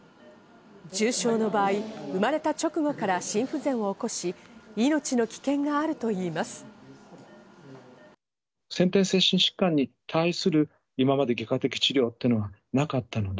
重症の場合、生まれた直後から心不全を起こし、命の危険があるといいます。